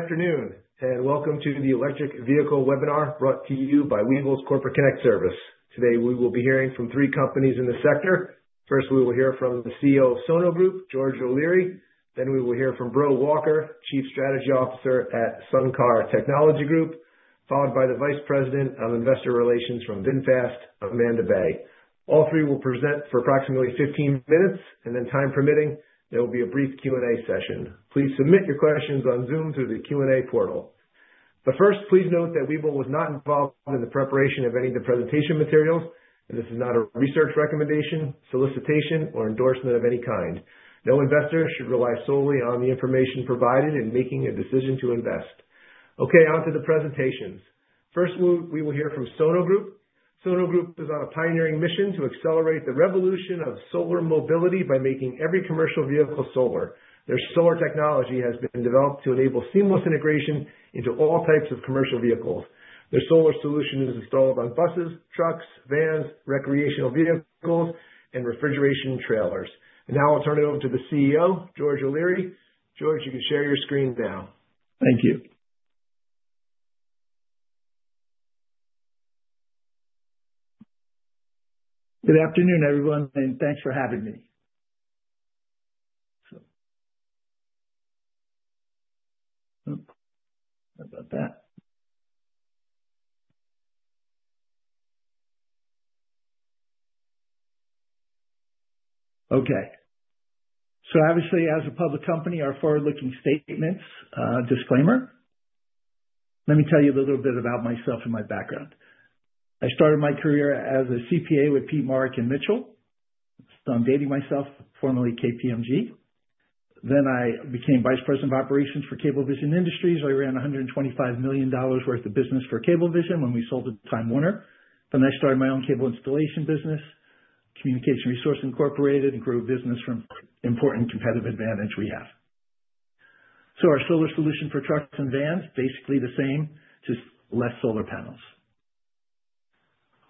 Good afternoon and welcome to the Electric Vehicle Webinar brought to you by Webull Corporate Connect Service. Today we will be hearing from three companies in the sector. First, we will hear from the CEO of Sono Group, George O'Leary. Then we will hear from Breaux Walker, Chief Strategy Officer at SunCar Technology Group, followed by the Vice President of Investor Relations from VinFast, Amandae Baey. All three will present for approximately 15 minutes, and then, time permitting, there will be a brief Q&A session. Please submit your questions on Zoom through the Q&A portal. Please note that Webull was not involved in the preparation of any of the presentation materials, and this is not a research recommendation, solicitation, or endorsement of any kind. No investor should rely solely on the information provided in making a decision to invest. Okay, on to the presentations. First, we will hear from Sono Group. Sono Group is on a pioneering mission to accelerate the revolution of solar mobility by making every commercial vehicle solar. Their solar technology has been developed to enable seamless integration into all types of commercial vehicles. Their solar solution is installed on buses, trucks, vans, recreational vehicles, and refrigeration trailers. I will now turn it over to the CEO, George O'Leary. George, you can share your screen now. Thank you. Good afternoon, everyone, and thanks for having me. Okay. Obviously, as a public company, our forward-looking statements, disclaimer. Let me tell you a little bit about myself and my background. I started my career as a CPA with Peat Marwick Mitchell. I'm dating myself, formerly KPMG. I became Vice President of Operations for Cablevision Industries. I ran $125 million worth of business for Cablevision when we sold to Time Warner. I started my own cable installation business, Communication Resource Inc, and grew a business from important competitive advantage we have. Our solar solution for trucks and vans, basically the same, just less solar panels.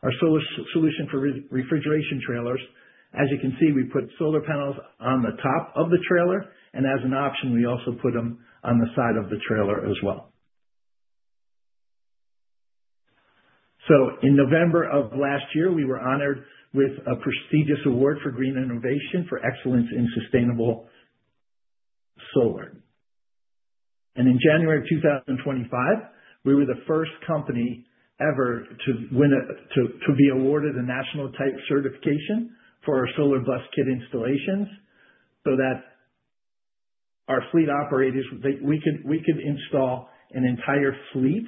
Our solar solution for refrigeration trailers, as you can see, we put solar panels on the top of the trailer, and as an option, we also put them on the side of the trailer as well. In November of last year, we were honored with a prestigious award for green innovation for excellence in sustainable solar. In January of 2025, we were the first company ever to be awarded a national-type certification for our Solar Bus Kit installations so that our fleet operators, we could install an entire fleet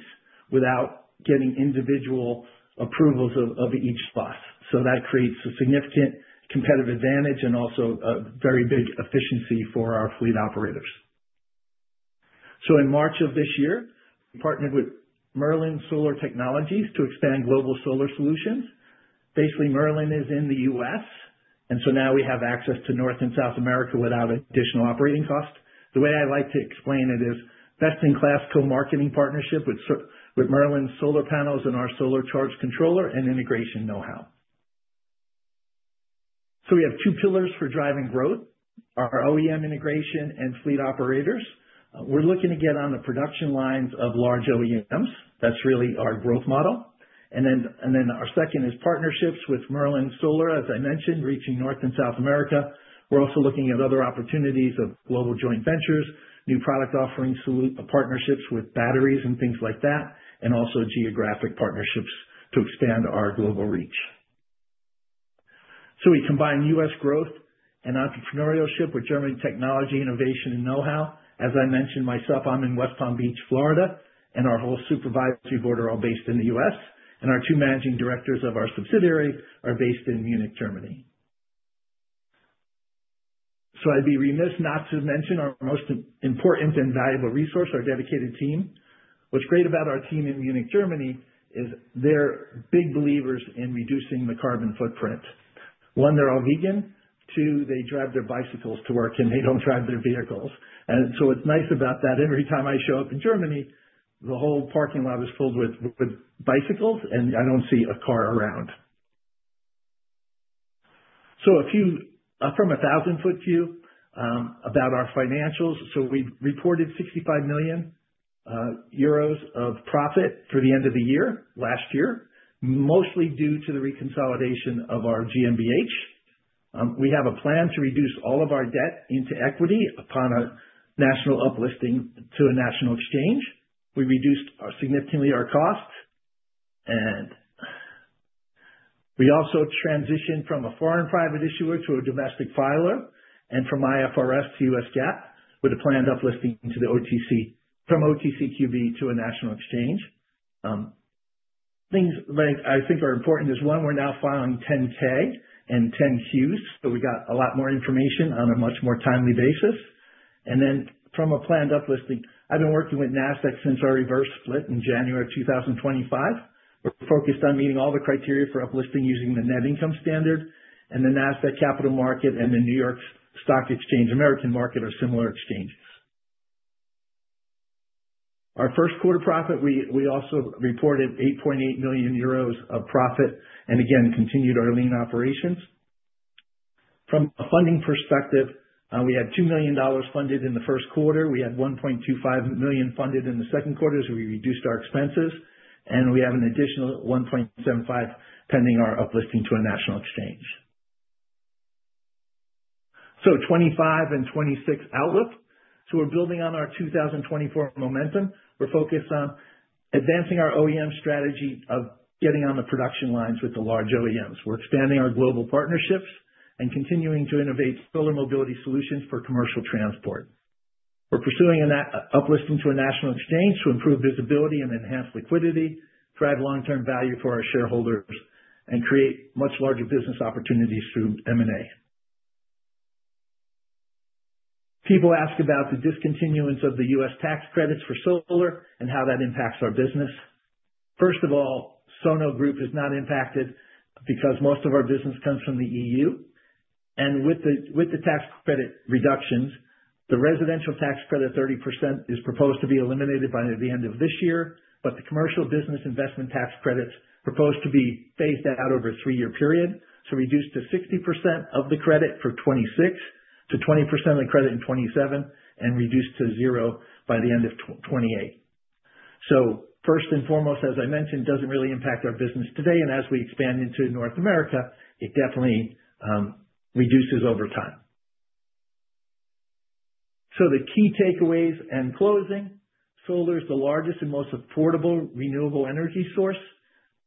without getting individual approvals of each bus. That creates a significant competitive advantage and also a very big efficiency for our fleet operators. In March of this year, we partnered with Merlin Solar Technologies to expand global solar solutions. Basically, Merlin is in the U.S., and now we have access to North and South America without additional operating costs. The way I like to explain it is best-in-class co-marketing partnership with Merlin solar panels and our solar charge controller and integration know-how. We have two pillars for driving growth: our OEM integration and fleet operators. We're looking to get on the production lines of large OEMs. That's really our growth model. Our second is partnerships with Merlin Solar, as I mentioned, reaching North and South America. We're also looking at other opportunities of global joint ventures, new product offerings, partnerships with batteries and things like that, and also geographic partnerships to expand our global reach. We combine U.S. growth and entrepreneurship with German technology, innovation, and know-how. As I mentioned myself, I'm in West Palm Beach, Florida, and our whole supervisory board are all based in the U.S., and our two managing directors of our subsidiary are based in Munich, Germany. I'd be remiss not to mention our most important and valuable resource, our dedicated team. What's great about our team in Munich, Germany, is they're big believers in reducing the carbon footprint. One, they're all vegan. Two, they drive their bicycles to work, and they don't drive their vehicles. What's nice about that, every time I show up in Germany, the whole parking lot is filled with bicycles, and I don't see a car around. A few from a thousand-foot view about our financials. We reported 65 million euros of profit through the end of the year last year, mostly due to the reconsolidation of our GmbH. We have a plan to reduce all of our debt into equity upon a national uplisting to a national exchange. We reduced significantly our costs, and we also transitioned from a foreign private issuer to a domestic filer and from IFRS to U.S. GAAP with a planned uplisting to the OTC, from OTCQB to a national exchange. Things I think are important is one, we're now filing 10-K and 10-Qs, so we got a lot more information on a much more timely basis. From a planned uplisting, I've been working with Nasdaq since our reverse split in January of 2025. We're focused on meeting all the criteria for uplisting using the net income standard, and the Nasdaq Capital Market and the New York Stock Exchange American Market are similar exchanges. Our first quarter profit, we also reported 8.8 million euros of profit and again continued our lean operations. From a funding perspective, we had $2 million funded in the first quarter. We had $1.25 million funded in the second quarter as we reduced our expenses, and we have an additional $1.75 million pending our uplisting to a national exchange. So 2025-2026 outlook. We are building on our 2024 momentum. We are focused on advancing our OEM strategy of getting on the production lines with the large OEMs. We are expanding our global partnerships and continuing to innovate solar mobility solutions for commercial transport. We are pursuing an uplisting to a national exchange to improve visibility and enhance liquidity, drive long-term value for our shareholders, and create much larger business opportunities through M&A. People ask about the discontinuance of the U.S. tax credits for solar and how that impacts our business. First of all, Sono Group is not impacted because most of our business comes from the EU. With the tax credit reductions, the residential tax credit of 30% is proposed to be eliminated by the end of this year, but the commercial business investment tax credits are proposed to be phased out over a three-year period. Reduced to 60% of the credit for 2026, to 20% of the credit in 2027, and reduced to zero by the end of 2028. First and foremost, as I mentioned, it does not really impact our business today, and as we expand into North America, it definitely reduces over time. The key takeaways in closing: solar is the largest and most affordable renewable energy source.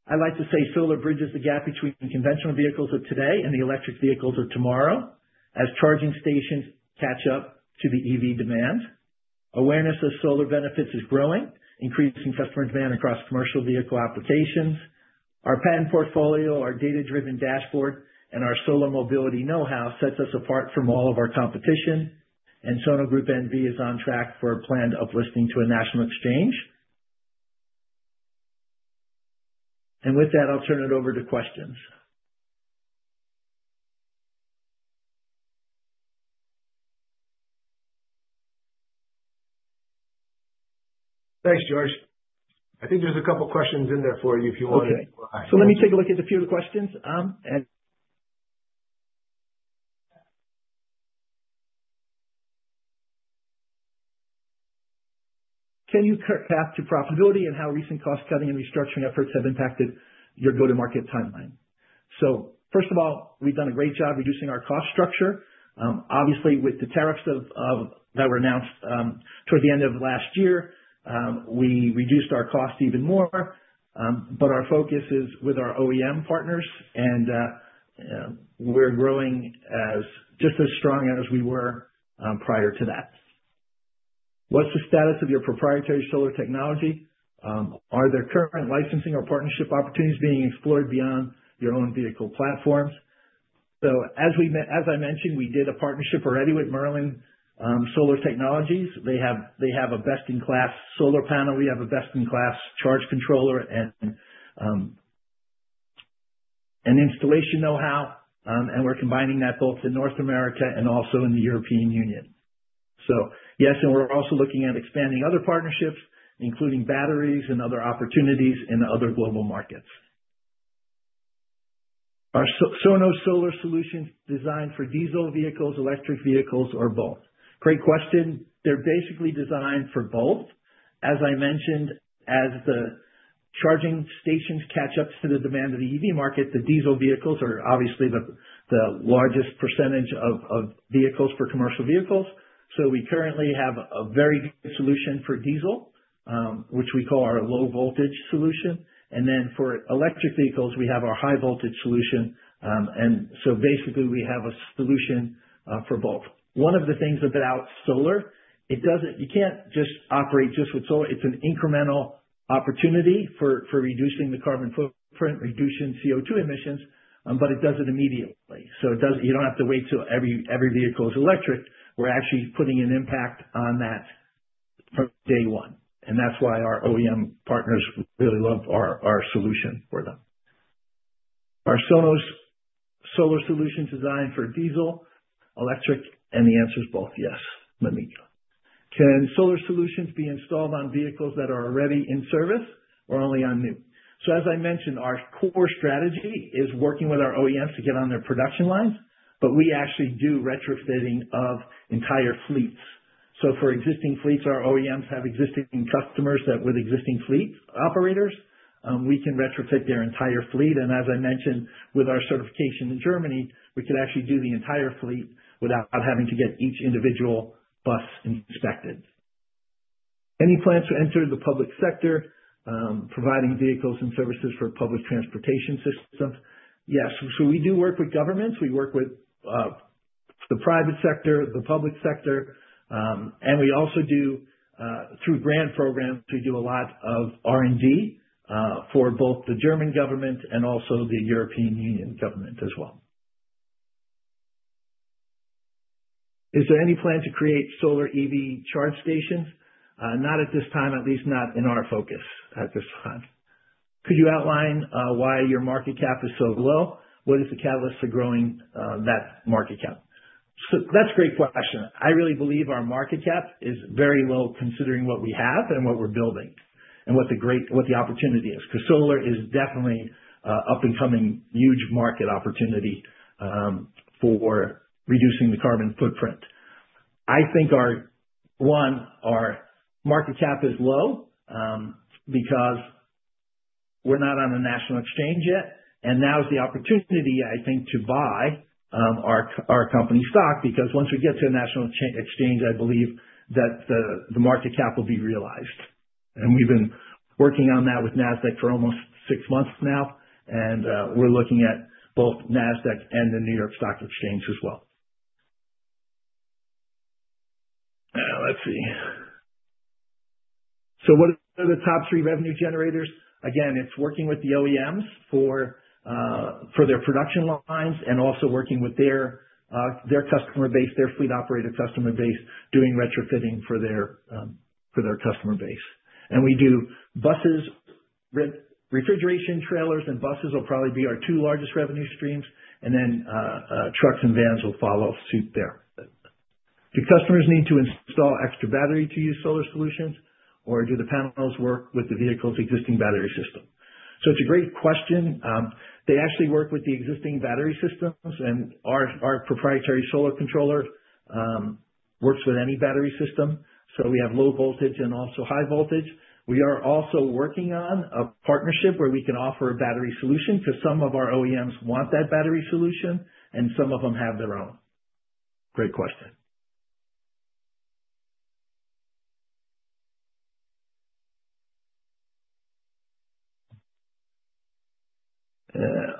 I like to say solar bridges the gap between conventional vehicles of today and the electric vehicles of tomorrow as charging stations catch up to the EV demand. Awareness of solar benefits is growing, increasing customer demand across commercial vehicle applications. Our patent portfolio, our data-driven dashboard, and our solar mobility know-how sets us apart from all of our competition, and Sono Group N.V. is on track for a planned uplisting to a national exchange. With that, I'll turn it over to questions. Thanks, George. I think there's a couple of questions in there for you if you want to. Okay. Let me take a look at a few of the questions. Can you cut path to profitability and how recent cost-cutting and restructuring efforts have impacted your go-to-market timeline? First of all, we've done a great job reducing our cost structure. Obviously, with the tariffs that were announced toward the end of last year, we reduced our cost even more, but our focus is with our OEM partners, and we're growing just as strong as we were prior to that. What's the status of your proprietary solar technology? Are there current licensing or partnership opportunities being explored beyond your own vehicle platforms? As I mentioned, we did a partnership already with Merlin Solar Technologies. They have a best-in-class solar panel. We have a best-in-class charge controller and installation know-how, and we're combining that both in North America and also in the European Union. Yes, and we're also looking at expanding other partnerships, including batteries and other opportunities in other global markets. Are Sono Solar Solutions designed for diesel vehicles, electric vehicles, or both? Great question. They're basically designed for both. As I mentioned, as the charging stations catch up to the demand of the EV market, the diesel vehicles are obviously the largest percentage of vehicles for commercial vehicles. We currently have a very good solution for diesel, which we call our low-voltage solution. For electric vehicles, we have our high-voltage solution. Basically, we have a solution for both. One of the things about solar, you can't just operate just with solar. It's an incremental opportunity for reducing the carbon footprint, reducing CO2 emissions, but it does it immediately. You don't have to wait till every vehicle is electric. We're actually putting an impact on that from day one. That's why our OEM partners really love our solution for them. Are Sono's solar solutions designed for diesel, electric, and the answer is both yes. Let me go. Can solar solutions be installed on vehicles that are already in service or only on new? As I mentioned, our core strategy is working with our OEMs to get on their production lines, but we actually do retrofitting of entire fleets. For existing fleets, our OEMs have existing customers that with existing fleet operators, we can retrofit their entire fleet. As I mentioned, with our certification in Germany, we could actually do the entire fleet without having to get each individual bus inspected. Any plans to enter the public sector, providing vehicles and services for public transportation systems? Yes. We do work with governments. We work with the private sector, the public sector, and we also do, through grant programs, a lot of R&D for both the German government and also the European Union government as well. Is there any plan to create solar EV charge stations? Not at this time, at least not in our focus at this time. Could you outline why your market cap is so low? What is the catalyst for growing that market cap? That's a great question. I really believe our market cap is very low considering what we have and what we're building and what the opportunity is. Because solar is definitely an up-and-coming huge market opportunity for reducing the carbon footprint. I think, one, our market cap is low because we're not on a national exchange yet. Now is the opportunity, I think, to buy our company stock because once we get to a national exchange, I believe that the market cap will be realized. We've been working on that with Nasdaq for almost six months now, and we're looking at both Nasdaq and the New York Stock Exchange as well. Let's see. What are the top three revenue generators? Again, it's working with the OEMs for their production lines and also working with their customer base, their fleet operator customer base, doing retrofitting for their customer base. We do buses, refrigeration trailers, and buses will probably be our two largest revenue streams, and then trucks and vans will follow suit there. Do customers need to install extra battery to use solar solutions, or do the panels work with the vehicle's existing battery system? It's a great question. They actually work with the existing battery systems, and our proprietary solar controller works with any battery system. We have low voltage and also high voltage. We are also working on a partnership where we can offer a battery solution because some of our OEMs want that battery solution, and some of them have their own. Great question.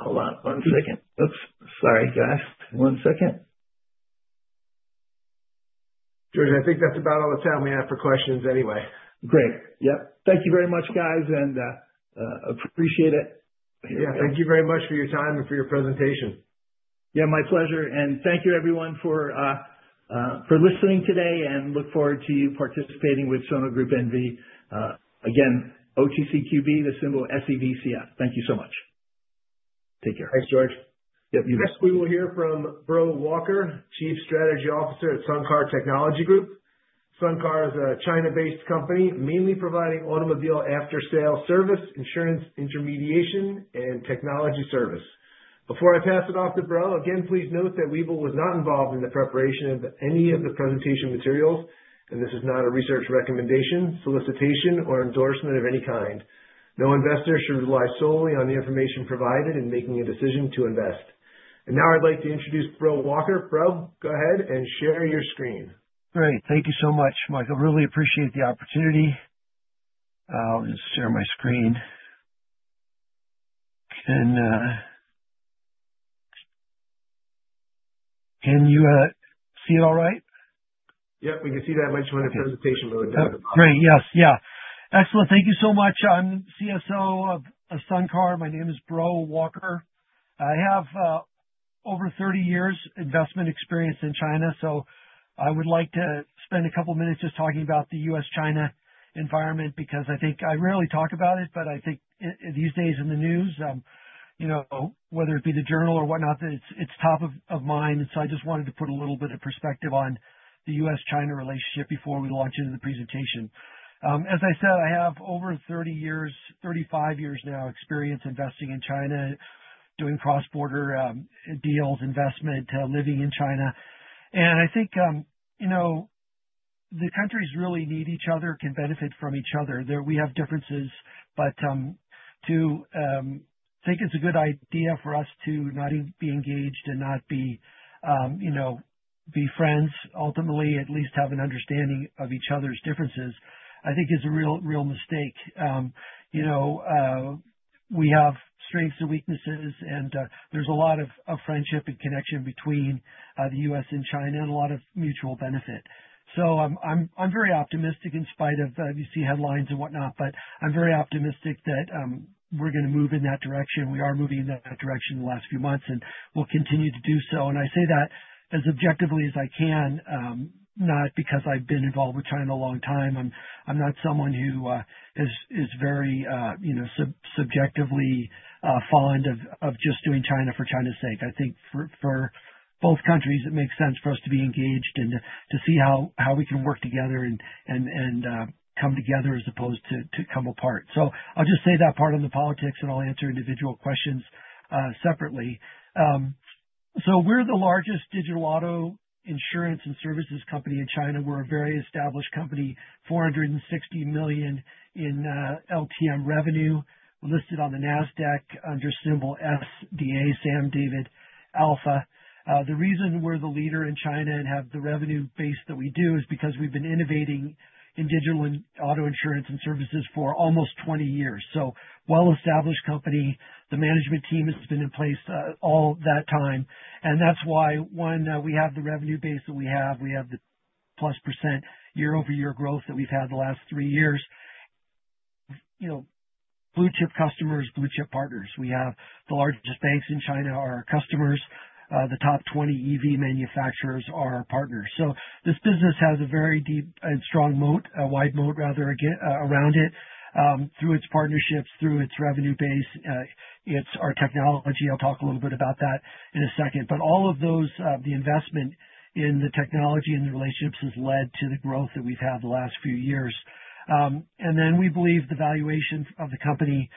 Hold on one second. Oops. Sorry, guys. One second. George, I think that's about all the time we have for questions anyway. Great. Yep. Thank you very much, guys, and appreciate it. Yeah. Thank you very much for your time and for your presentation. Yeah, my pleasure. Thank you, everyone, for listening today, and look forward to you participating with Sono Group N.V.. Again, OTCQB, the symbol SEVCF. Thank you so much. Take care. Thanks, George. Yep. Next, we will hear from Breaux Walker, Chief Strategy Officer at SunCar Technology Group. SunCar is a China-based company, mainly providing automobile after-sale service, insurance intermediation, and technology service. Before I pass it off to Breaux, again, please note that Webull was not involved in the preparation of any of the presentation materials, and this is not a research recommendation, solicitation, or endorsement of any kind. No investor should rely solely on the information provided in making a decision to invest. I would like to introduce Breaux Walker. Breaux, go ahead and share your screen. All right. Thank you so much, Michael. Really appreciate the opportunity. I'll just share my screen. Can you see it all right? Yep. We can see that much when the presentation mode is down. Great. Yes. Yeah. Excellent. Thank you so much. I'm CSO of SunCar. My name is Breaux Walker. I have over 30 years of investment experience in China. I would like to spend a couple of minutes just talking about the U.S.-China environment because I think I rarely talk about it, but I think these days in the news, whether it be the Journal or whatnot, it's top of mind. I just wanted to put a little bit of perspective on the U.S.-China relationship before we launch into the presentation. As I said, I have over 30 years, 35 years now, experience investing in China, doing cross-border deals, investment, living in China. I think the countries really need each other, can benefit from each other. We have differences, but to think it's a good idea for us to not be engaged and not be friends, ultimately, at least have an understanding of each other's differences, I think is a real mistake. We have strengths and weaknesses, and there's a lot of friendship and connection between the U.S. and China and a lot of mutual benefit. I am very optimistic in spite of, obviously, headlines and whatnot, but I am very optimistic that we're going to move in that direction. We are moving in that direction in the last few months, and we'll continue to do so. I say that as objectively as I can, not because I've been involved with China a long time. I am not someone who is very subjectively fond of just doing China for China's sake. I think for both countries, it makes sense for us to be engaged and to see how we can work together and come together as opposed to come apart. I'll just say that part on the politics, and I'll answer individual questions separately. We're the largest digital auto insurance and services company in China. We're a very established company, $460 million in LTM revenue, listed on the Nasdaq under symbol SDA, Sam David Alpha. The reason we're the leader in China and have the revenue base that we do is because we've been innovating in digital auto insurance and services for almost 20 years. Well-established company. The management team has been in place all that time. That's why, one, we have the revenue base that we have. We have the plus % year-over-year growth that we've had the last three years. Blue chip customers, blue chip partners. We have the largest banks in China are our customers. The top 20 EV manufacturers are our partners. This business has a very deep and strong moat, a wide moat rather around it through its partnerships, through its revenue base. It is our technology. I'll talk a little bit about that in a second. All of those, the investment in the technology and the relationships has led to the growth that we've had the last few years. We believe the valuation of the company,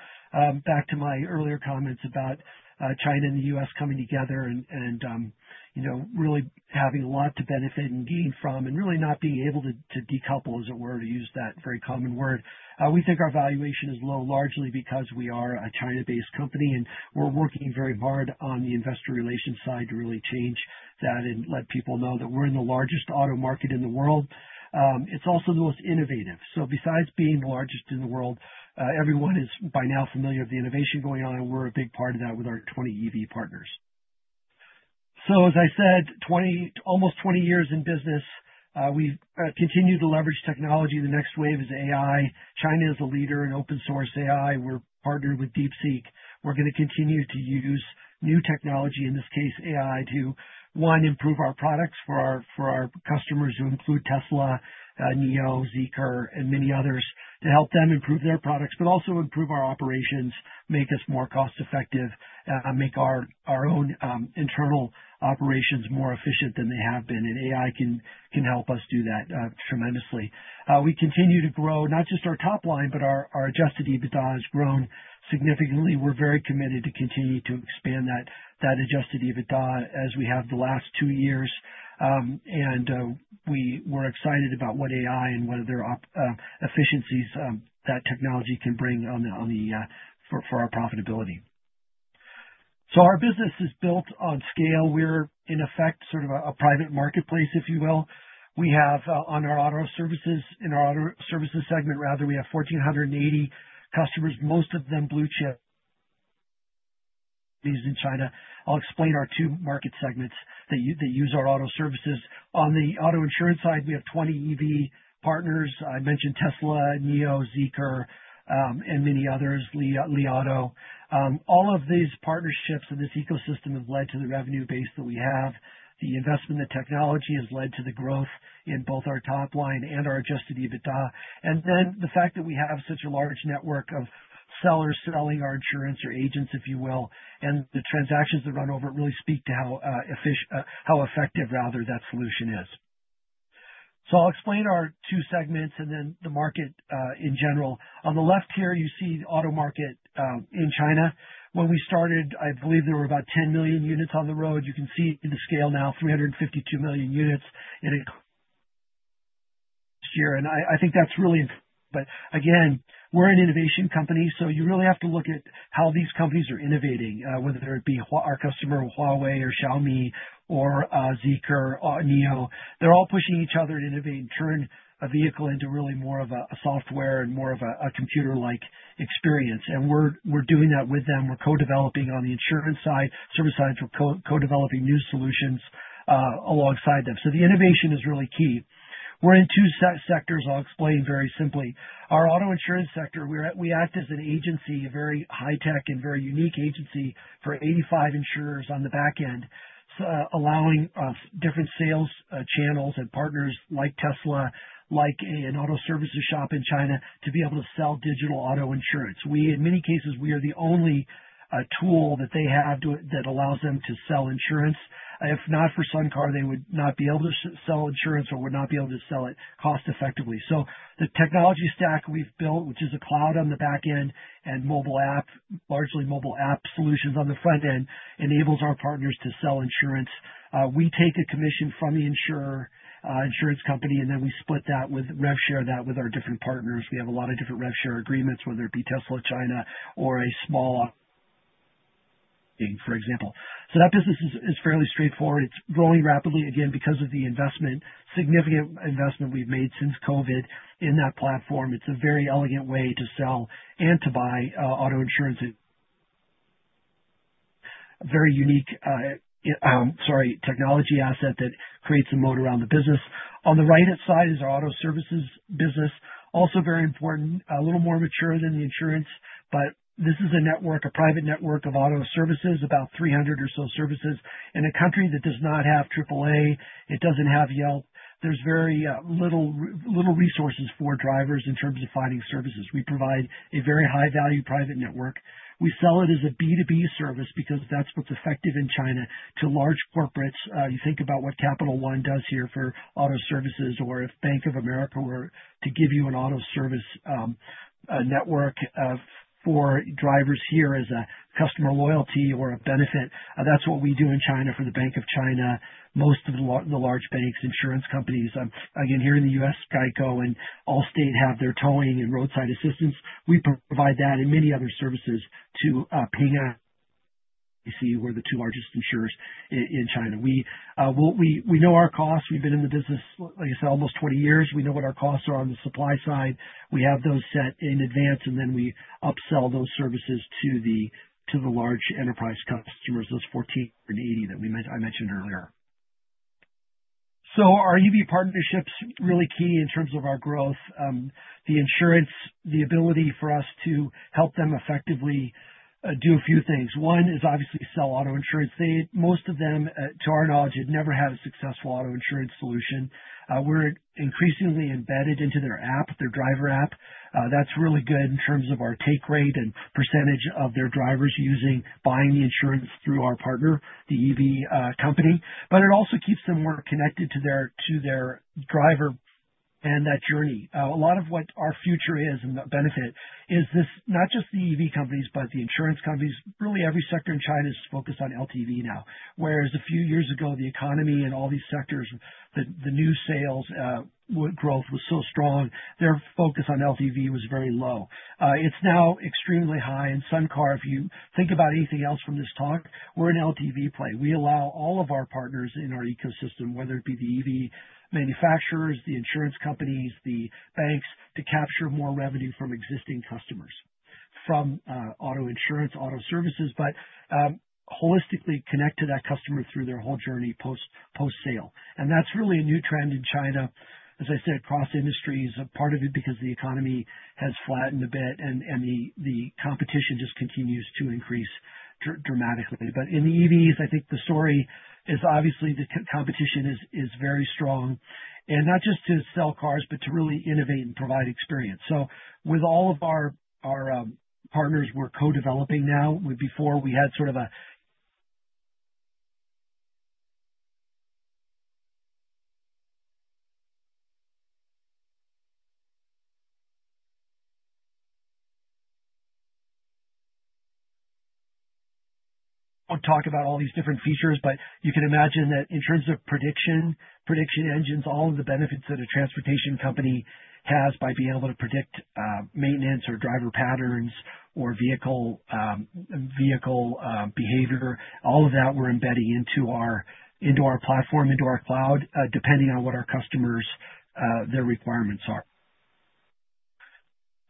back to my earlier comments about China and the U.S. coming together and really having a lot to benefit and gain from, and really not being able to decouple, as it were, to use that very common word. We think our valuation is low largely because we are a China-based company, and we're working very hard on the investor relations side to really change that and let people know that we're in the largest auto market in the world. It's also the most innovative. Besides being the largest in the world, everyone is by now familiar with the innovation going on, and we're a big part of that with our 20 EV partners. As I said, almost 20 years in business. We continue to leverage technology. The next wave is AI. China is a leader in open-source AI. We're partnered with DeepSeek. We're going to continue to use new technology, in this case, AI, to, one, improve our products for our customers who include Tesla, NIO, Zeekr, and many others to help them improve their products, but also improve our operations, make us more cost-effective, make our own internal operations more efficient than they have been. AI can help us do that tremendously. We continue to grow not just our top line, but our adjusted EBITDA has grown significantly. We're very committed to continue to expand that adjusted EBITDA as we have the last two years. We're excited about what AI and what other efficiencies that technology can bring for our profitability. Our business is built on scale. We're, in effect, sort of a private marketplace, if you will. We have, on our auto services, in our auto services segment, rather, we have 1,480 customers, most of them blue chip in China. I'll explain our two market segments that use our auto services. On the auto insurance side, we have 20 EV partners. I mentioned Tesla, NIO, Zeekr, and many others, Li Auto. All of these partnerships in this ecosystem have led to the revenue base that we have. The investment in the technology has led to the growth in both our top line and our adjusted EBITDA. The fact that we have such a large network of sellers selling our insurance or agents, if you will, and the transactions that run over it really speak to how effective, rather, that solution is. I'll explain our two segments and then the market in general. On the left here, you see the auto market in China. When we started, I believe there were about 10 million units on the road. You can see the scale now, 352 million units in a year. I think that's really important. Again, we're an innovation company. You really have to look at how these companies are innovating, whether it be our customer, Huawei, or Xiaomi, or Zeekr, NIO. They're all pushing each other to innovate and turn a vehicle into really more of a software and more of a computer-like experience. We're doing that with them. We're co-developing on the insurance side. Certain sides, we're co-developing new solutions alongside them. The innovation is really key. We're in two sectors. I'll explain very simply. Our auto insurance sector, we act as an agency, a very high-tech and very unique agency for 85 insurers on the back end, allowing different sales channels and partners like Tesla, like an auto services shop in China, to be able to sell digital auto insurance. In many cases, we are the only tool that they have that allows them to sell insurance. If not for SunCar, they would not be able to sell insurance or would not be able to sell it cost-effectively. The technology stack we have built, which is a cloud on the back end and largely mobile app solutions on the front end, enables our partners to sell insurance. We take a commission from the insurance company, and then we split that, rev share that with our different partners. We have a lot of different rev share agreements, whether it be Tesla China or a small auto company, for example. That business is fairly straightforward. It is growing rapidly, again, because of the significant investment we have made since COVID in that platform. It is a very elegant way to sell and to buy auto insurance. Very unique, sorry, technology asset that creates a moat around the business. On the right-hand side is our auto services business. Also very important, a little more mature than the insurance, but this is a network, a private network of auto services, about 300 or so services. In a country that does not have AAA, it does not have Yelp. There are very few resources for drivers in terms of finding services. We provide a very high-value private network. We sell it as a B2B service because that is what is effective in China to large corporates. You think about what Capital One does here for auto services, or if Bank of America were to give you an auto service network for drivers here as a customer loyalty or a benefit. That's what we do in China for the Bank of China, most of the large banks, insurance companies. Again, here in the U.S., GEICO and Allstate have their towing and roadside assistance. We provide that and many other services to Ping An and PICC, who are the two largest insurers in China. We know our costs. We've been in the business, like I said, almost 20 years. We know what our costs are on the supply side. We have those set in advance, and then we upsell those services to the large enterprise customers, those 1,480 that I mentioned earlier. Our EV partnerships are really key in terms of our growth. The insurance, the ability for us to help them effectively do a few things. One is obviously sell auto insurance. Most of them, to our knowledge, had never had a successful auto insurance solution. We're increasingly embedded into their app, their driver app. That's really good in terms of our take rate and percentage of their drivers buying the insurance through our partner, the EV company. It also keeps them more connected to their driver and that journey. A lot of what our future is and the benefit is not just the EV companies, but the insurance companies. Really, every sector in China is focused on LTV now, whereas a few years ago, the economy and all these sectors, the new sales growth was so strong, their focus on LTV was very low. It's now extremely high. SunCar, if you think about anything else from this talk, we're an LTV play. We allow all of our partners in our ecosystem, whether it be the EV manufacturers, the insurance companies, the banks, to capture more revenue from existing customers, from auto insurance, auto services, but holistically connect to that customer through their whole journey post-sale. That is really a new trend in China. As I said, cross-industry is a part of it because the economy has flattened a bit, and the competition just continues to increase dramatically. In the EVs, I think the story is obviously the competition is very strong, and not just to sell cars, but to really innovate and provide experience. With all of our partners, we're co-developing now. Before, we had sort of a, I won't talk about all these different features, but you can imagine that in terms of prediction, prediction engines, all of the benefits that a transportation company has by being able to predict maintenance or driver patterns or vehicle behavior, all of that we're embedding into our platform, into our cloud, depending on what our customers' requirements are.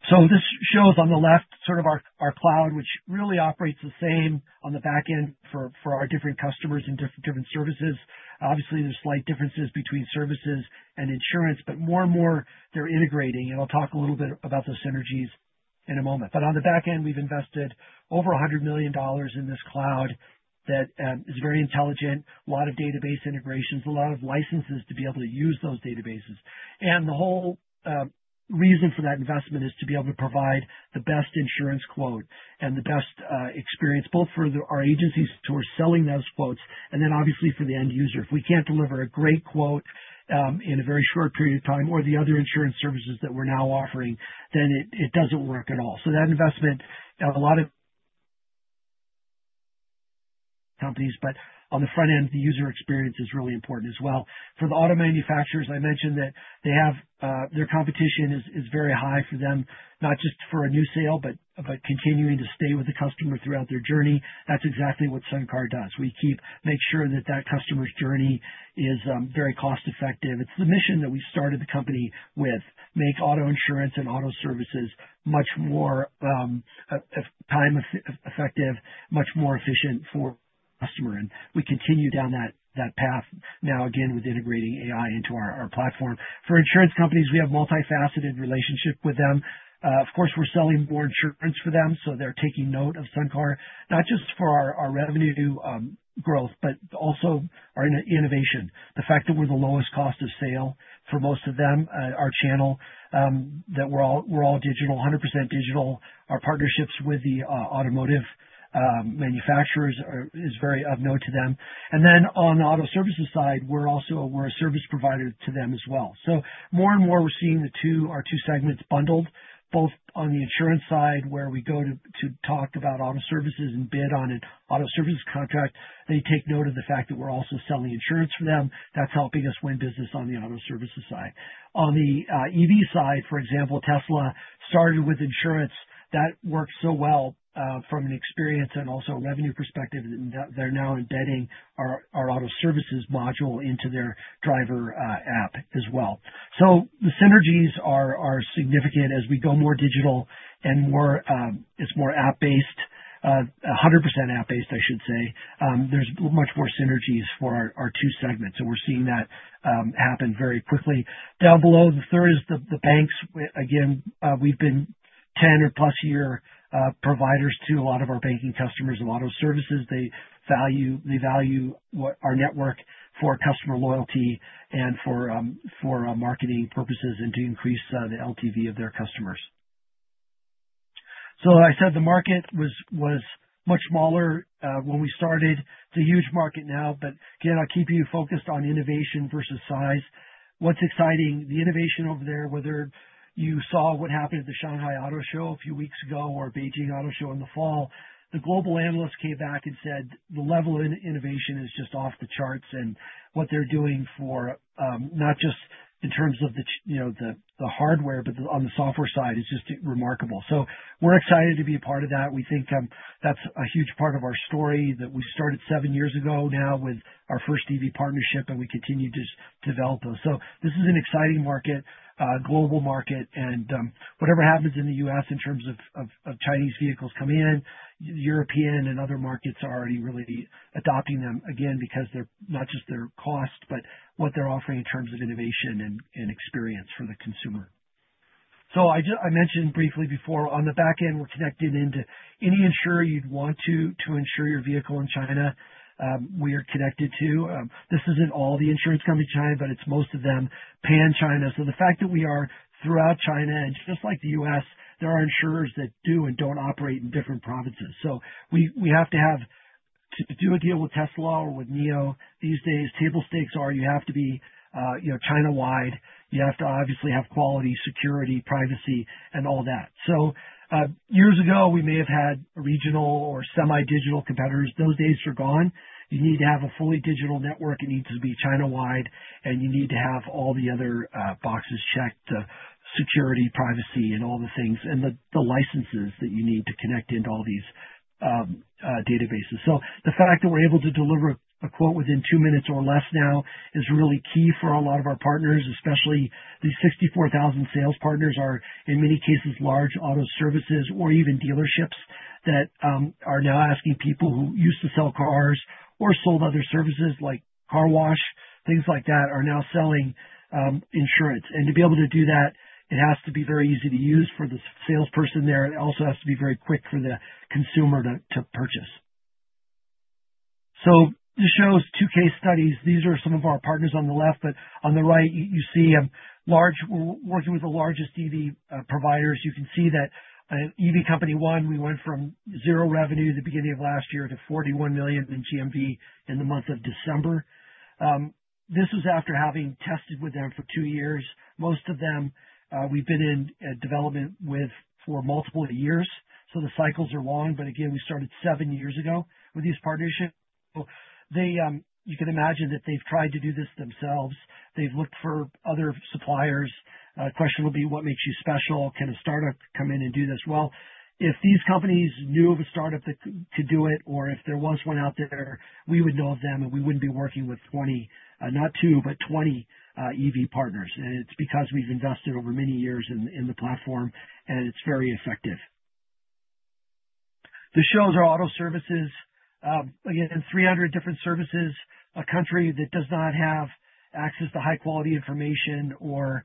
This shows on the left sort of our cloud, which really operates the same on the back end for our different customers and different services. Obviously, there's slight differences between services and insurance, but more and more, they're integrating. I'll talk a little bit about those synergies in a moment. On the back end, we've invested over $100 million in this cloud that is very intelligent, a lot of database integrations, a lot of licenses to be able to use those databases. The whole reason for that investment is to be able to provide the best insurance quote and the best experience, both for our agencies who are selling those quotes and then, obviously, for the end user. If we can't deliver a great quote in a very short period of time or the other insurance services that we're now offering, then it doesn't work at all. That investment, a lot of companies, but on the front end, the user experience is really important as well. For the auto manufacturers, I mentioned that their competition is very high for them, not just for a new sale, but continuing to stay with the customer throughout their journey. That's exactly what SunCar does. We make sure that that customer's journey is very cost-effective. It's the mission that we started the company with: make auto insurance and auto services much more time-effective, much more efficient for the customer. We continue down that path now, again, with integrating AI into our platform. For insurance companies, we have a multifaceted relationship with them. Of course, we're selling more insurance for them. They're taking note of SunCar, not just for our revenue growth, but also our innovation. The fact that we're the lowest cost of sale for most of them, our channel that we're all digital, 100% digital. Our partnerships with the automotive manufacturers are very of note to them. On the auto services side, we're also a service provider to them as well. More and more, we're seeing our two segments bundled, both on the insurance side, where we go to talk about auto services and bid on an auto services contract. They take note of the fact that we're also selling insurance for them. That's helping us win business on the auto services side. On the EV side, for example, Tesla started with insurance. That worked so well from an experience and also a revenue perspective that they're now embedding our auto services module into their driver app as well. The synergies are significant as we go more digital and it's more app-based, 100% app-based, I should say. There's much more synergies for our two segments. We're seeing that happen very quickly. Down below, the third is the banks. Again, we've been 10 or plus year providers to a lot of our banking customers, a lot of services. They value our network for customer loyalty and for marketing purposes and to increase the LTV of their customers. I said the market was much smaller when we started. It is a huge market now. Again, I'll keep you focused on innovation versus size. What's exciting? The innovation over there, whether you saw what happened at the Shanghai Auto Show a few weeks ago or Beijing Auto Show in the fall, the global analysts came back and said the level of innovation is just off the charts. What they are doing not just in terms of the hardware, but on the software side is just remarkable. We are excited to be a part of that. We think that is a huge part of our story that we started seven years ago now with our first EV partnership, and we continue to develop those. This is an exciting market, global market. Whatever happens in the U.S. in terms of Chinese vehicles coming in, European and other markets are already really adopting them again because they're not just their cost, but what they're offering in terms of innovation and experience for the consumer. I mentioned briefly before, on the back end, we're connected into any insurer you'd want to insure your vehicle in China. We are connected to. This isn't all the insurance companies in China, but it's most of them, Pan-China. The fact that we are throughout China, and just like the U.S., there are insurers that do and don't operate in different provinces. We have to do a deal with Tesla or with NIO these days. Table stakes are you have to be China-wide. You have to obviously have quality, security, privacy, and all that. Years ago, we may have had regional or semi-digital competitors. Those days are gone. You need to have a fully digital network. It needs to be China-wide, and you need to have all the other boxes checked: security, privacy, and all the things, and the licenses that you need to connect into all these databases. The fact that we're able to deliver a quote within two minutes or less now is really key for a lot of our partners, especially the 64,000 sales partners who are, in many cases, large auto services or even dealerships that are now asking people who used to sell cars or sold other services like car wash, things like that, are now selling insurance. To be able to do that, it has to be very easy to use for the salesperson there. It also has to be very quick for the consumer to purchase. This shows two case studies. These are some of our partners on the left, but on the right, you see we are working with the largest EV providers. You can see that EV Company One, we went from zero revenue at the beginning of last year to $41 million in GMV in the month of December. This was after having tested with them for two years. Most of them, we have been in development with for multiple years. The cycles are long. Again, we started seven years ago with these partnerships. You can imagine that they have tried to do this themselves. They have looked for other suppliers. The question will be, what makes you special? Can a startup come in and do this? If these companies knew of a startup that could do it, or if there was one out there, we would know of them, and we would not be working with 20, not 2, but 20 EV partners. It is because we have invested over many years in the platform, and it is very effective. This shows our auto services, again, 300 different services, a country that does not have access to high-quality information or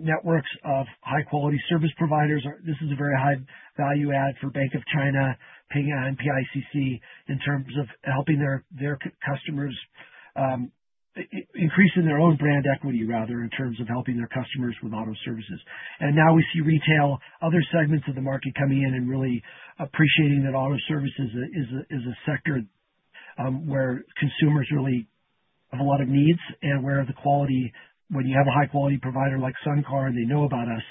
networks of high-quality service providers. This is a very high-value add for Bank of China, Ping An, and PICC, in terms of helping their customers, increasing their own brand equity, rather, in terms of helping their customers with auto services. Now we see retail, other segments of the market coming in and really appreciating that auto services is a sector where consumers really have a lot of needs and where the quality, when you have a high-quality provider like SunCar and they know about us,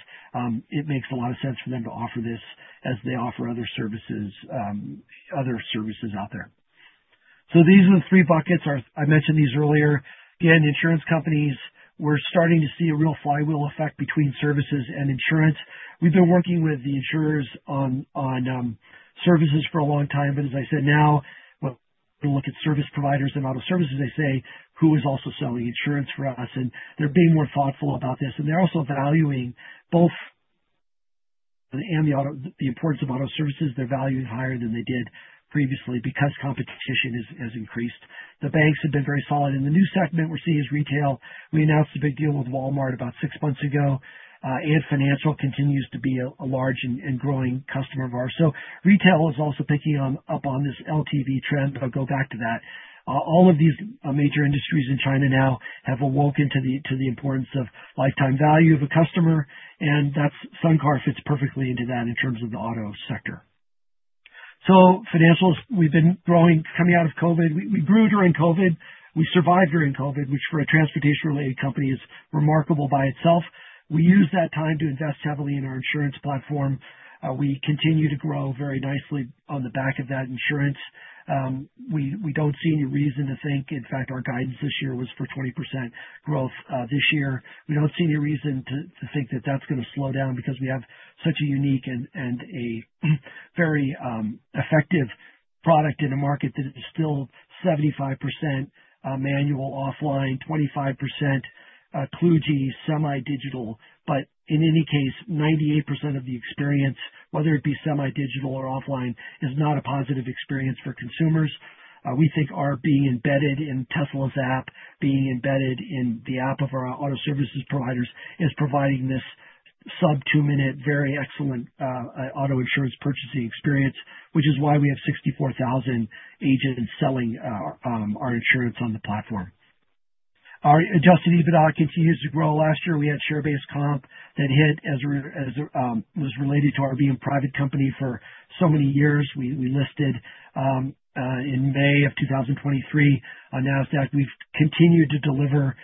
it makes a lot of sense for them to offer this as they offer other services out there. These are the three buckets. I mentioned these earlier. Again, insurance companies, we're starting to see a real flywheel effect between services and insurance. We've been working with the insurers on services for a long time. As I said, now when we look at service providers and auto services, they say, "Who is also selling insurance for us?" They're being more thoughtful about this. They're also valuing both and the importance of auto services. They're valuing higher than they did previously because competition has increased. The banks have been very solid. The new segment we're seeing is retail. We announced a big deal with Walmart about six months ago. Financial continues to be a large and growing customer of ours. Retail is also picking up on this LTV trend, but I'll go back to that. All of these major industries in China now have awoken to the importance of lifetime value of a customer. SunCar fits perfectly into that in terms of the auto sector. Financials, we've been growing coming out of COVID. We grew during COVID. We survived during COVID, which for a transportation-related company is remarkable by itself. We used that time to invest heavily in our insurance platform. We continue to grow very nicely on the back of that insurance. We do not see any reason to think, in fact, our guidance this year was for 20% growth this year. We do not see any reason to think that that is going to slow down because we have such a unique and a very effective product in the market that is still 75% manual offline, 25% kludge, semi-digital. In any case, 98% of the experience, whether it be semi-digital or offline, is not a positive experience for consumers. We think our being embedded in Tesla's app, being embedded in the app of our auto services providers, is providing this sub-two-minute, very excellent auto insurance purchasing experience, which is why we have 64,000 agents selling our insurance on the platform. Our adjusted EBITDA continues to grow. Last year, we had ShareBase Comp that hit as it was related to our being a private company for so many years. We listed in May of 2023 on Nasdaq. We've continued to deliver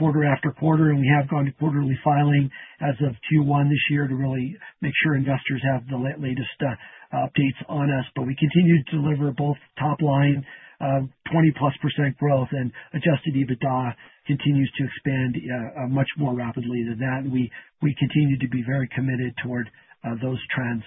quarter after quarter, and we have gone to quarterly filing as of Q1 this year to really make sure investors have the latest updates on us. We continue to deliver both top-line 20+% growth, and adjusted EBITDA continues to expand much more rapidly than that. We continue to be very committed toward those trends.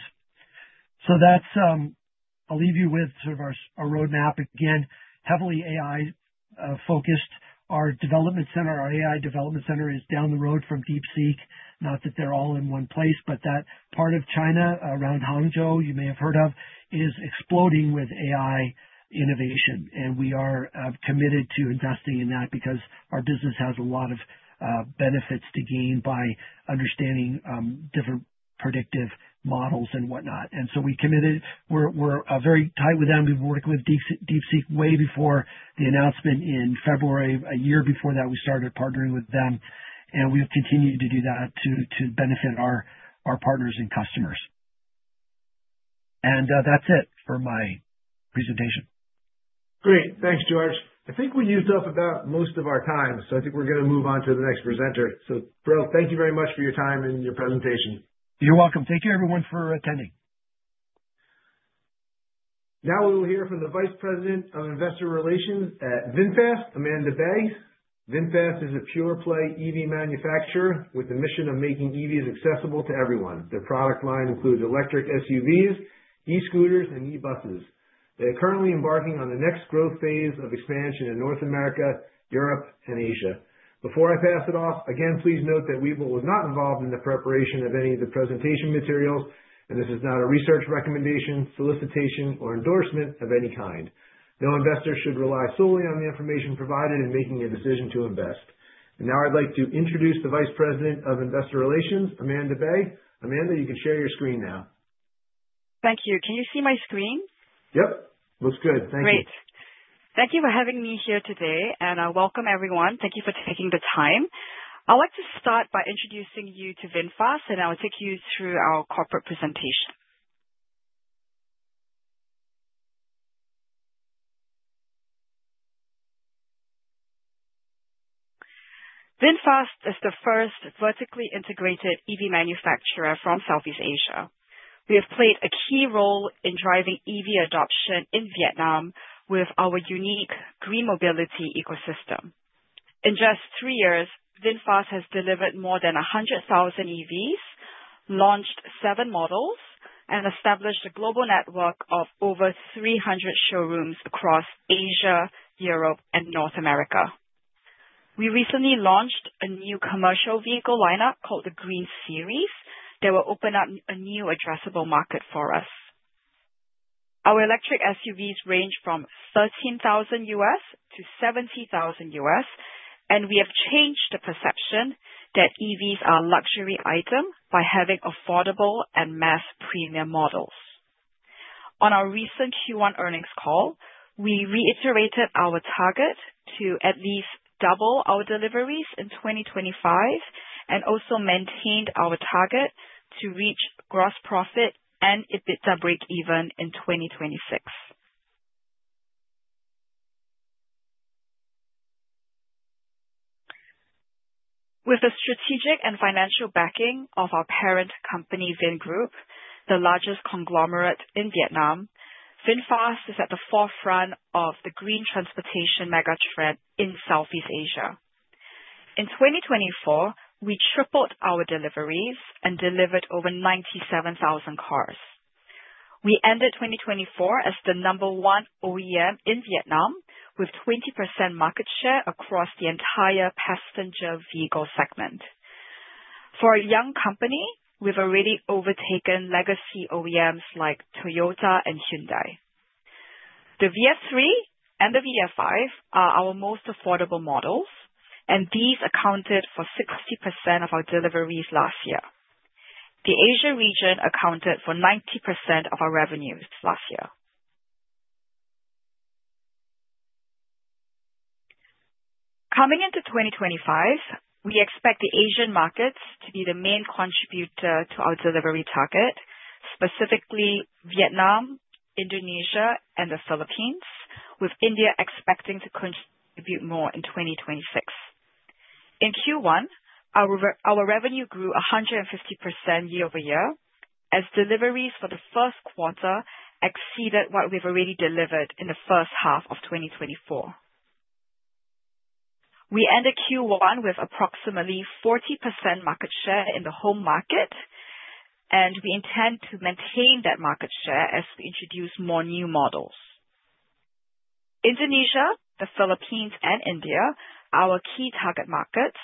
I'll leave you with sort of our roadmap. Again, heavily AI-focused. Our development center, our AI development center, is down the road from DeepSeek. Not that they're all in one place, but that part of China around Hangzhou, you may have heard of, is exploding with AI innovation. We are committed to investing in that because our business has a lot of benefits to gain by understanding different predictive models and whatnot. We are very tight with them. We've worked with DeepSeek way before the announcement in February. A year before that, we started partnering with them. We have continued to do that to benefit our partners and customers. That is it for my presentation. Great. Thanks, George. I think we used up about most of our time. I think we're going to move on to the next presenter. Breaux, thank you very much for your time and your presentation. You're welcome. Thank you, everyone, for attending. Now we will hear from the Vice President of Investor Relations at VinFast, Amandae Baey. VinFast is a pure-play EV manufacturer with the mission of making EVs accessible to everyone. Their product line includes electric SUVs, e-scooters, and e-buses. They are currently embarking on the next growth phase of expansion in North America, Europe, and Asia. Before I pass it off, again, please note that we will not be involved in the preparation of any of the presentation materials, and this is not a research recommendation, solicitation, or endorsement of any kind. No investor should rely solely on the information provided in making a decision to invest. Now I'd like to introduce the Vice President of Investor Relations, Amandae Baey. Amandae, you can share your screen now. Thank you. Can you see my screen? Yep. Looks good. Thank you. Great. Thank you for having me here today. I welcome everyone. Thank you for taking the time. I'd like to start by introducing you to VinFast, and I'll take you through our corporate presentation. VinFast is the first vertically integrated EV manufacturer from Southeast Asia. We have played a key role in driving EV adoption in Vietnam with our unique green mobility ecosystem. In just three years, VinFast has delivered more than 100,000 EVs, launched seven models, and established a global network of over 300 showrooms across Asia, Europe, and North America. We recently launched a new commercial vehicle lineup called the Green Series that will open up a new addressable market for us. Our electric SUVs range from $13,000-$70,000, and we have changed the perception that EVs are a luxury item by having affordable and mass premium models. On our recent Q1 earnings call, we reiterated our target to at least double our deliveries in 2025 and also maintained our target to reach gross profit and EBITDA break-even in 2026. With the strategic and financial backing of our parent company, VinGroup, the largest conglomerate in Vietnam, VinFast is at the forefront of the green transportation megatrend in Southeast Asia. In 2024, we tripled our deliveries and delivered over 97,000 cars. We ended 2024 as the number one OEM in Vietnam with 20% market share across the entire passenger vehicle segment. For a young company, we've already overtaken legacy OEMs like Toyota and Hyundai. The VF 3 and the VF 5 are our most affordable models, and these accounted for 60% of our deliveries last year. The Asia region accounted for 90% of our revenues last year. Coming into 2025, we expect the Asian markets to be the main contributor to our delivery target, specifically Vietnam, Indonesia, and the Philippines, with India expecting to contribute more in 2026. In Q1, our revenue grew 150% year-over-year as deliveries for the first quarter exceeded what we've already delivered in the first half of 2024. We ended Q1 with approximately 40% market share in the home market, and we intend to maintain that market share as we introduce more new models. Indonesia, the Philippines, and India are our key target markets,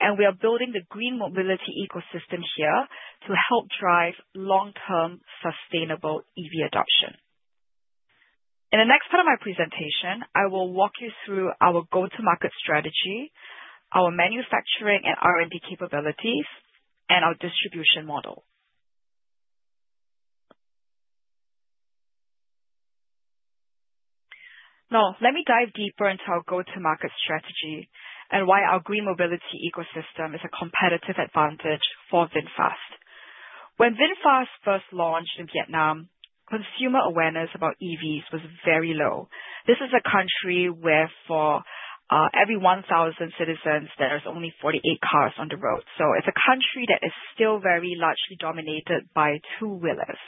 and we are building the green mobility ecosystem here to help drive long-term sustainable EV adoption. In the next part of my presentation, I will walk you through our go-to-market strategy, our manufacturing and R&D capabilities, and our distribution model. Now, let me dive deeper into our go-to-market strategy and why our green mobility ecosystem is a competitive advantage for VinFast. When VinFast first launched in Vietnam, consumer awareness about EVs was very low. This is a country where for every 1,000 citizens, there are only 48 cars on the road. It is a country that is still very largely dominated by two-wheelers.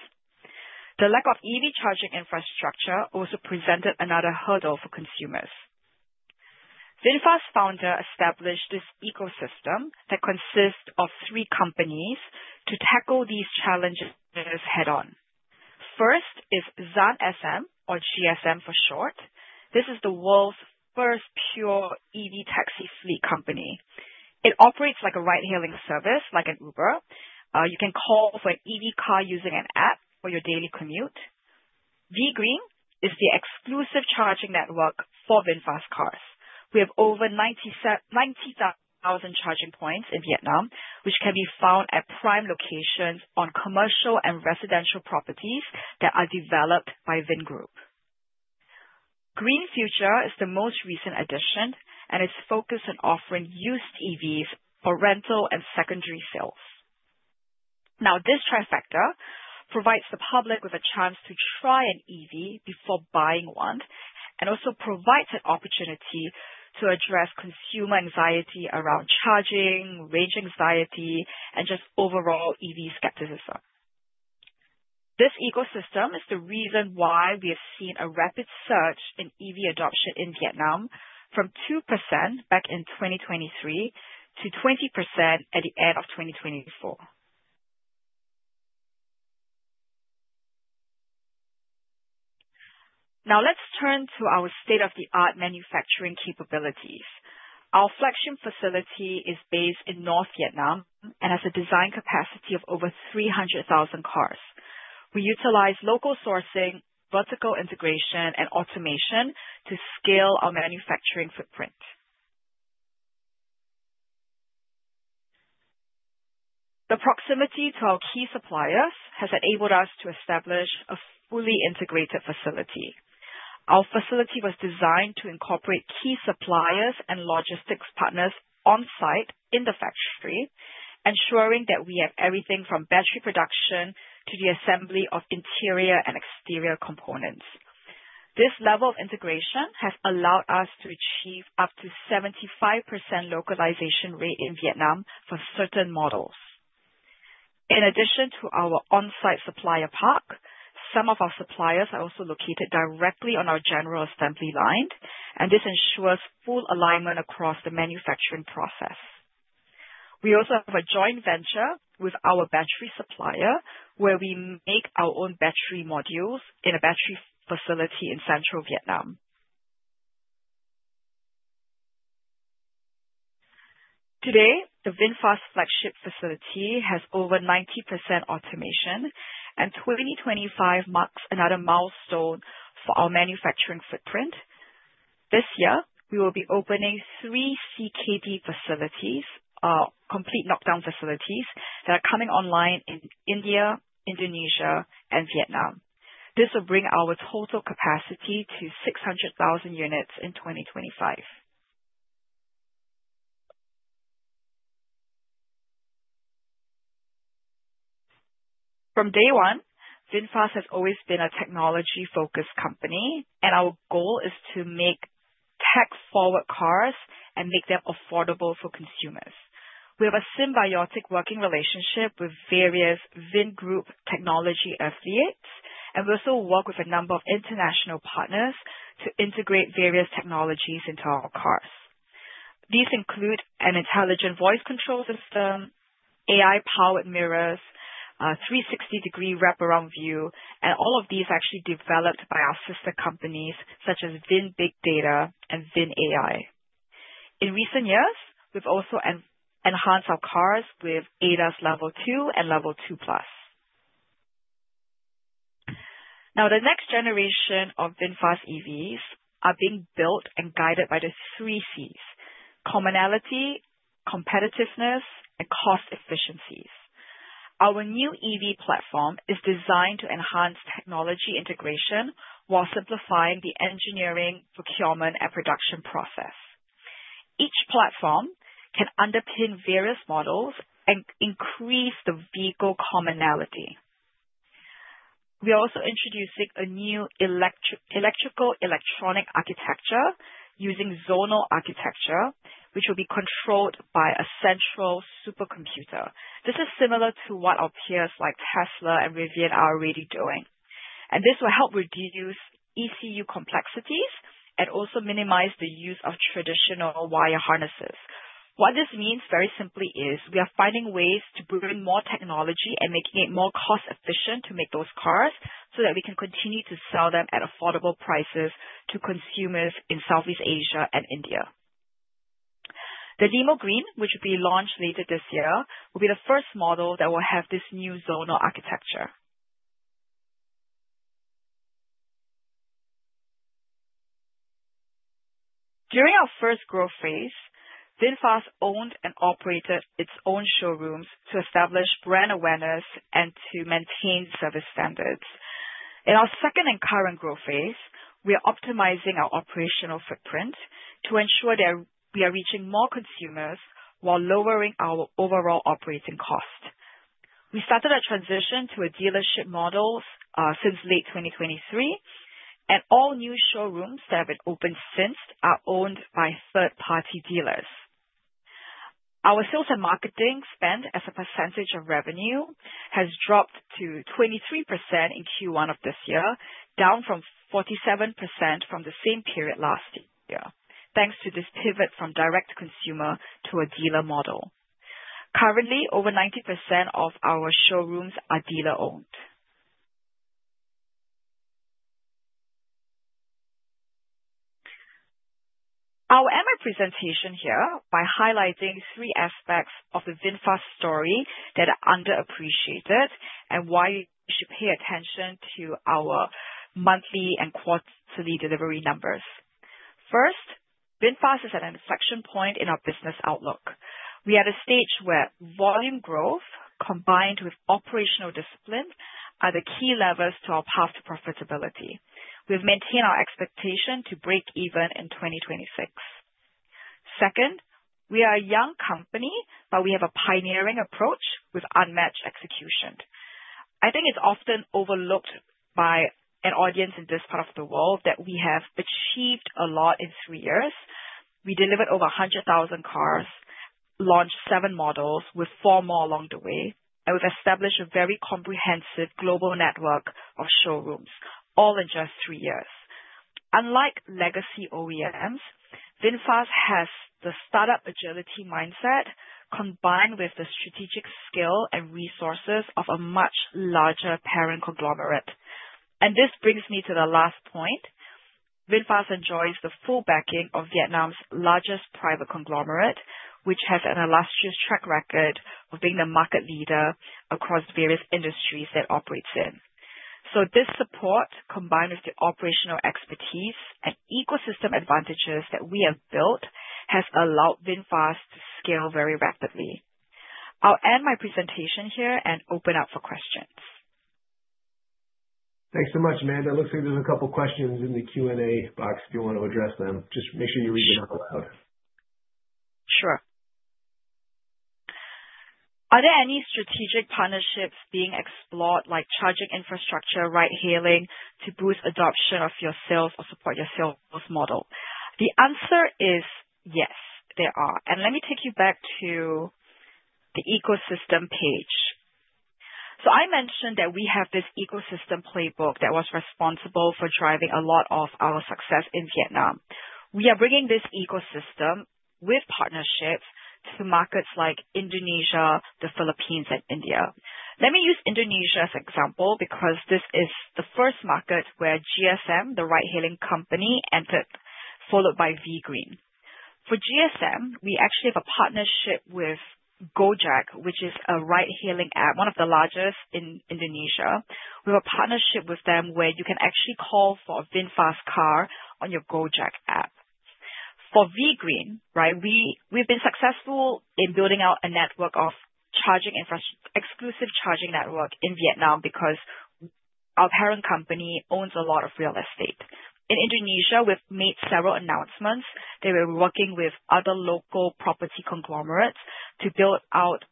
The lack of EV charging infrastructure also presented another hurdle for consumers. VinFast founders established this ecosystem that consists of three companies to tackle these challenges head-on. First is Xanh SM, or GSM for short. This is the world's first pure EV taxi fleet company. It operates like a ride-hailing service, like an Uber. You can call for an EV car using an app for your daily commute. VGreen is the exclusive charging network for VinFast cars. We have over 90,000 charging points in Vietnam, which can be found at prime locations on commercial and residential properties that are developed by VinGroup. Green Future is the most recent addition, and it's focused on offering used EVs for rental and secondary sales. Now, this trifecta provides the public with a chance to try an EV before buying one and also provides an opportunity to address consumer anxiety around charging, range anxiety, and just overall EV skepticism. This ecosystem is the reason why we have seen a rapid surge in EV adoption in Vietnam from 2% back in 2023 to 20% at the end of 2024. Now, let's turn to our state-of-the-art manufacturing capabilities. Our flagship facility is based in North Vietnam and has a design capacity of over 300,000 cars. We utilize local sourcing, vertical integration, and automation to scale our manufacturing footprint. The proximity to our key suppliers has enabled us to establish a fully integrated facility. Our facility was designed to incorporate key suppliers and logistics partners on-site in the factory, ensuring that we have everything from battery production to the assembly of interior and exterior components. This level of integration has allowed us to achieve up to 75% localization rate in Vietnam for certain models. In addition to our on-site supplier park, some of our suppliers are also located directly on our general assembly line, and this ensures full alignment across the manufacturing process. We also have a joint venture with our battery supplier, where we make our own battery modules in a battery facility in central Vietnam. Today, the VinFast flagship facility has over 90% automation, and 2025 marks another milestone for our manufacturing footprint. This year, we will be opening three CKD facilities, complete knockdown facilities, that are coming online in India, Indonesia, and Vietnam. This will bring our total capacity to 600,000 units in 2025. From day one, VinFast has always been a technology-focused company, and our goal is to make tech-forward cars and make them affordable for consumers. We have a symbiotic working relationship with various VinGroup technology affiliates, and we also work with a number of international partners to integrate various technologies into our cars. These include an intelligent voice control system, AI-powered mirrors, a 360-degree wraparound view, and all of these are actually developed by our sister companies such as VinBigdata and VinAI. In recent years, we've also enhanced our cars with ADAS Level 2 and Level 2+. Now, the next generation of VinFast EVs is being built and guided by the three Cs: commonality, competitiveness, and cost efficiencies. Our new EV platform is designed to enhance technology integration while simplifying the engineering, procurement, and production process. Each platform can underpin various models and increase the vehicle commonality. We are also introducing a new electrical electronic architecture using zonal architecture, which will be controlled by a central supercomputer. This is similar to what our peers like Tesla and Rivian are already doing. This will help reduce ECU complexities and also minimize the use of traditional wire harnesses. What this means very simply is we are finding ways to bring more technology and make it more cost-efficient to make those cars so that we can continue to sell them at affordable prices to consumers in Southeast Asia and India. The Limo Green, which will be launched later this year, will be the first model that will have this new zonal architecture. During our first growth phase, VinFast owned and operated its own showrooms to establish brand awareness and to maintain service standards. In our second and current growth phase, we are optimizing our operational footprint to ensure that we are reaching more consumers while lowering our overall operating cost. We started a transition to a dealership model since late 2023, and all new showrooms that have been opened since are owned by third-party dealers. Our sales and marketing spend as a percentage of revenue has dropped to 23% in Q1 of this year, down from 47% from the same period last year, thanks to this pivot from direct-to-consumer to a dealer model. Currently, over 90% of our showrooms are dealer-owned. I will end my presentation here by highlighting three aspects of the VinFast story that are underappreciated and why you should pay attention to our monthly and quarterly delivery numbers. First, VinFast is at an inflection point in our business outlook. We are at a stage where volume growth combined with operational discipline are the key levers to our path to profitability. We have maintained our expectation to break even in 2026. Second, we are a young company, but we have a pioneering approach with unmatched execution. I think it's often overlooked by an audience in this part of the world that we have achieved a lot in three years. We delivered over 100,000 cars, launched seven models with four more along the way, and we've established a very comprehensive global network of showrooms, all in just three years. Unlike legacy OEMs, VinFast has the startup agility mindset combined with the strategic skill and resources of a much larger parent conglomerate. This brings me to the last point. VinFast enjoys the full backing of Vietnam's largest private conglomerate, which has an illustrious track record of being the market leader across various industries that it operates in. This support, combined with the operational expertise and ecosystem advantages that we have built, has allowed VinFast to scale very rapidly. I'll end my presentation here and open up for questions. Thanks so much, Amandae. It looks like there's a couple of questions in the Q&A box. If you want to address them, just make sure you read them out loud. Sure. Are there any strategic partnerships being explored, like charging infrastructure ride-hailing to boost adoption of your sales or support your sales model? The answer is yes, there are. Let me take you back to the ecosystem page. I mentioned that we have this ecosystem playbook that was responsible for driving a lot of our success in Vietnam. We are bringing this ecosystem with partnerships to markets like Indonesia, the Philippines, and India. Let me use Indonesia as an example because this is the first market where GSM, the ride-hailing company, entered, followed by VGreen. For GSM, we actually have a partnership with Gojek, which is a ride-hailing app, one of the largest in Indonesia. We have a partnership with them where you can actually call for a VinFast car on your Gojek app. For VGreen, we have been successful in building out a network of exclusive charging networks in Vietnam because our parent company owns a lot of real estate. In Indonesia, we've made several announcements that we're working with other local property conglomerates to build out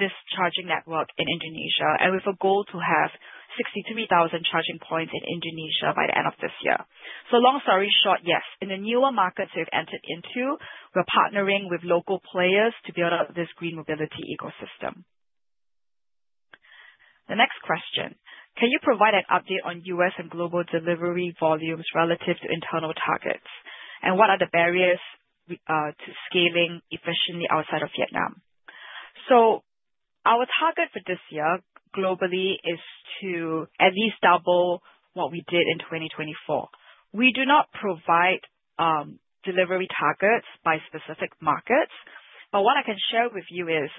this charging network in Indonesia, and we have a goal to have 63,000 charging points in Indonesia by the end of this year. Long story short, yes. In the newer markets we've entered into, we're partnering with local players to build out this green mobility ecosystem. The next question, can you provide an update on U.S. and global delivery volumes relative to internal targets, and what are the barriers to scaling efficiently outside of Vietnam? Our target for this year globally is to at least double what we did in 2024. We do not provide delivery targets by specific markets, but what I can share with you is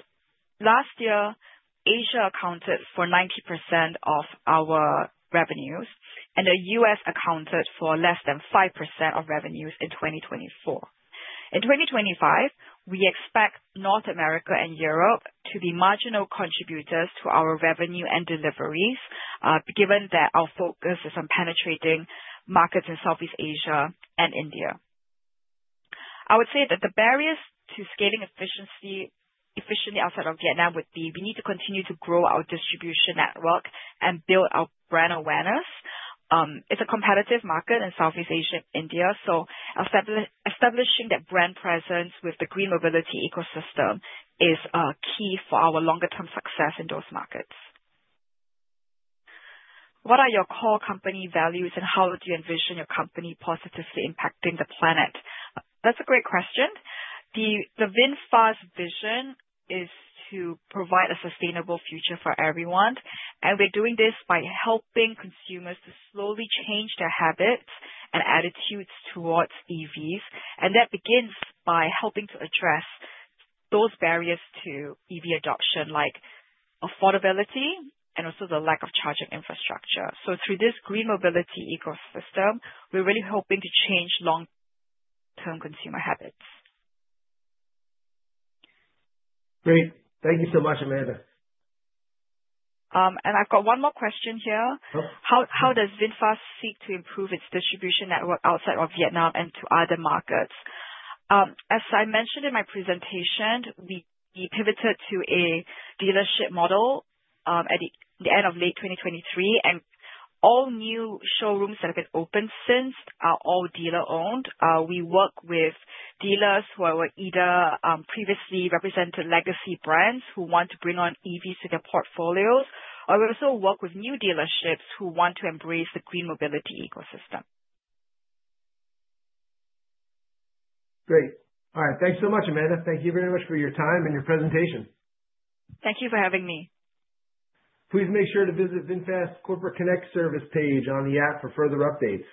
last year, Asia accounted for 90% of our revenues, and the U.S. accounted for less than 5% of revenues in 2024. In 2025, we expect North America and Europe to be marginal contributors to our revenue and deliveries, given that our focus is on penetrating markets in Southeast Asia and India. I would say that the barriers to scaling efficiently outside of Vietnam would be we need to continue to grow our distribution network and build our brand awareness. It's a competitive market in Southeast Asia and India, so establishing that brand presence with the green mobility ecosystem is key for our longer-term success in those markets. What are your core company values, and how do you envision your company positively impacting the planet? That's a great question. The VinFast vision is to provide a sustainable future for everyone, and we're doing this by helping consumers to slowly change their habits and attitudes towards EVs. That begins by helping to address those barriers to EV adoption, like affordability and also the lack of charging infrastructure. Through this green mobility ecosystem, we're really hoping to change long-term consumer habits. Great. Thank you so much, Amandae. I've got one more question here. How does VinFast seek to improve its distribution network outside of Vietnam and to other markets? As I mentioned in my presentation, we pivoted to a dealership model at the end of late 2023, and all new showrooms that have been opened since are all dealer-owned. We work with dealers who are either previously represented legacy brands who want to bring on EVs to their portfolios, or we also work with new dealerships who want to embrace the green mobility ecosystem. Great. All right. Thanks so much, Amandae. Thank you very much for your time and your presentation. Thank you for having me. Please make sure to visit VinFast's Corporate Connect service page on the app for further updates.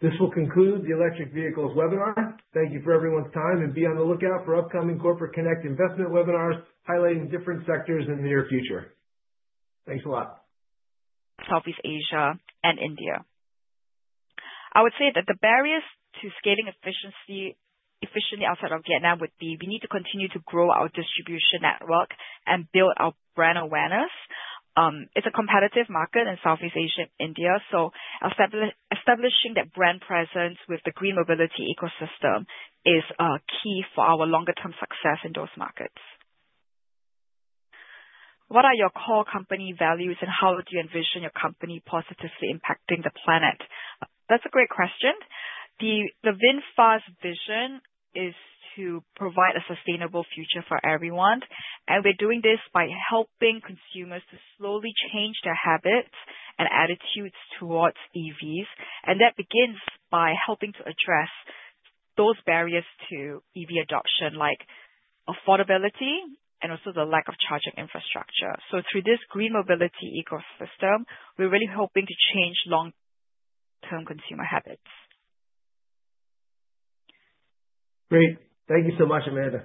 This will conclude the electric vehicles webinar. Thank you for everyone's time, and be on the lookout for upcoming Corporate Connect investment webinars highlighting different sectors in the near future. Thanks a lot. Southeast Asia and India. I would say that the barriers to scaling efficiently outside of Vietnam would be we need to continue to grow our distribution network and build our brand awareness. It's a competitive market in Southeast Asia and India, so establishing that brand presence with the green mobility ecosystem is key for our longer-term success in those markets. What are your core company values, and how do you envision your company positively impacting the planet? That's a great question. The VinFast vision is to provide a sustainable future for everyone, and we're doing this by helping consumers to slowly change their habits and attitudes towards EVs. That begins by helping to address those barriers to EV adoption, like affordability and also the lack of charging infrastructure. Through this green mobility ecosystem, we're really hoping to change long-term consumer habits. Great. Thank you so much, Amandae.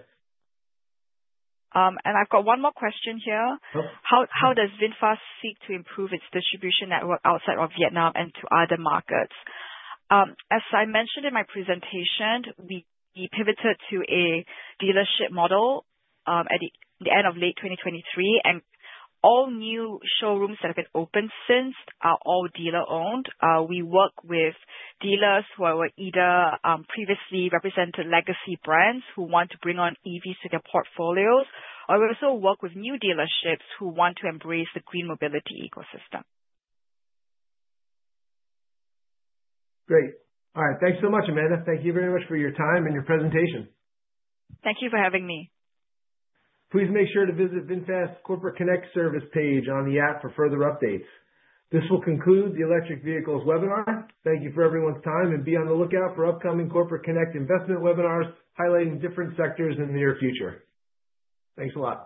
I've got one more question here. How does VinFast seek to improve its distribution network outside of Vietnam and to other markets? As I mentioned in my presentation, we pivoted to a dealership model at the end of late 2023, and all new showrooms that have been opened since are all dealer-owned. We work with dealers who are either previously represented legacy brands who want to bring on EVs to their portfolios, or we also work with new dealerships who want to embrace the green mobility ecosystem. Great. All right. Thanks so much, Amandae. Thank you very much for your time and your presentation. Thank you for having me. Please make sure to visit VinFast's Corporate Connect service page on the app for further updates. This will conclude the electric vehicles webinar. Thank you for everyone's time, and be on the lookout for upcoming Corporate Connect investment webinars highlighting different sectors in the near future. Thanks a lot.